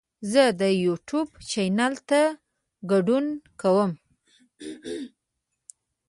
زه د یوټیوب چینل ته ګډون کوم.